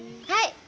はい！